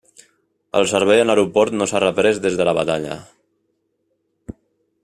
El servei en l'aeroport no s'ha reprès des de la batalla.